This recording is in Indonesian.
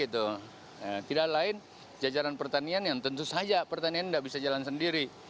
tidak lain jajaran pertanian yang tentu saja pertanian tidak bisa jalan sendiri